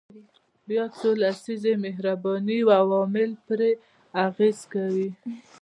بیا څو لسیزې بهرني عوامل پرې اغیز کوي.